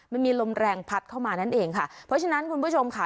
มันมีลมแรงพัดเข้ามานั่นเองค่ะเพราะฉะนั้นคุณผู้ชมค่ะ